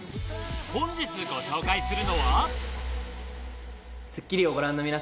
本日ご紹介するのは。